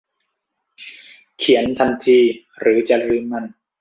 เขียนทันทีหรือจะลืมมัน